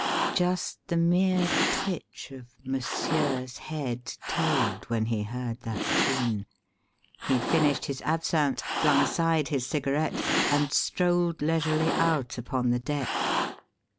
Just the mere twitch of "Monsieur's" head told when he heard that tune. He finished his absinthe, flung aside his cigarette, and strolled leisurely out upon the deck.